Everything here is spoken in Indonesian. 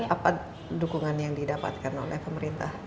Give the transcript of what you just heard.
apa dukungan yang didapatkan oleh pemerintah